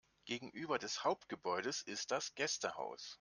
Gegenüber des Hauptgebäudes ist das Gästehaus.